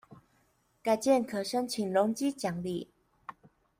改建可申請容積獎勵